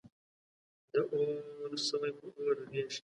د اور سوی په اور رغیږی.